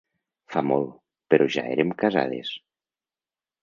Fa molt, però ja érem casades.